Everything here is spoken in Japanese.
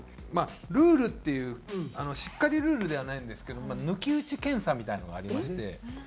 まあルールっていうしっかりルールではないんですけど抜き打ち検査みたいなのがありまして。